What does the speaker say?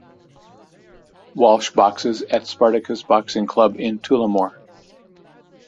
Walsh boxes at Spartacus Boxing Club in Tullamore.